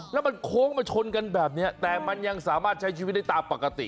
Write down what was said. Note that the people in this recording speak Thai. แล้วมันโค้งมาชนกันแบบนี้แต่มันยังสามารถใช้ชีวิตได้ตามปกติ